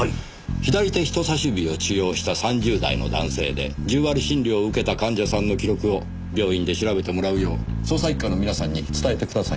左手人差し指を治療した３０代の男性で１０割診療を受けた患者さんの記録を病院で調べてもらうよう捜査一課の皆さんに伝えてください。